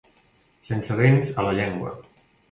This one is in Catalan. Sense dents a la llengua.